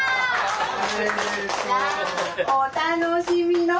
・お楽しみの？